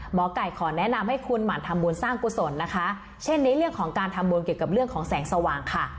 หมอไก่ขอแนะนำให้คุณหมั่นทำบุญสร้างกุศลนะคะเช่นในเรื่องของการทำบุญเกี่ยวกับเรื่องของแสงสว่างค่ะ